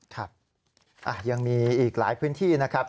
ครับยังมีอีกหลายพื้นที่นะครับ